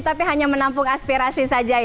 tapi hanya menampung aspirasi saja